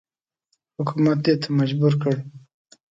حکومت دې ته مجبور کړ.